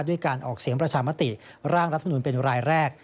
ด้วยการออกเสียงประชามติร่างรัฐมนุนเป็นรายแรก